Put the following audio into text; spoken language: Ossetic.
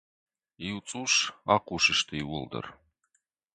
Иу цъус ахъус сты иууылдӕр.